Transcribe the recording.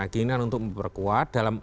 keinginan untuk memperkuat dalam